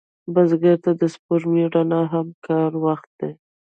بزګر ته د سپوږمۍ رڼا هم کاري وخت دی